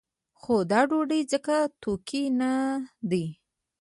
خو دا ډوډۍ ځکه توکی نه دی.